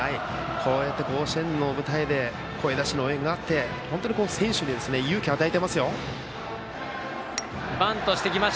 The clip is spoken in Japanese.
こうやって甲子園の舞台で声出しの応援があって本当に選手に勇気を与えていますよ。